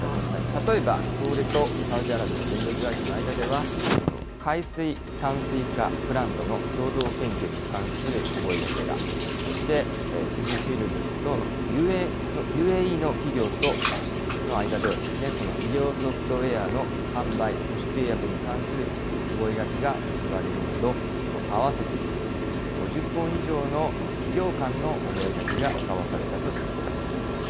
例えば東レとサウジアラビアの電力会社の間では、この海水淡水化プラントの共同研究に関する覚書が、そして富士フイルムとＵＡＥの企業との間では、この医療ソフトウエアの販売・保守契約に関する覚書が結ばれるなど、合わせて５０本以上の企業間の覚書が交わされたとしています。